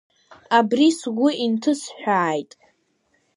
Абри сгәы инҭысҳәааит.